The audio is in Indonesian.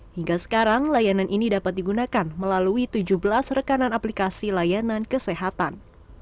hingga sekarang layanan ini dapat digunakan melalui tujuh belas rekanan aplikasi layanan kesehatan